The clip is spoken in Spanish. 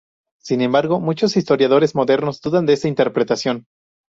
Sin embargo, muchos historiadores modernos dudan de esta interpretación.